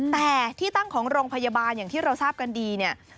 แต่ที่ตั้งของโรงพยาบาลอย่างที่เราทราบกันดีเนี่ย